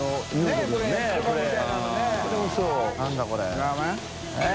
ラーメン？